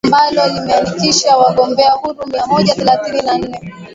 ambalo limeandikisha wagombea huru mia moja thelathini na wanne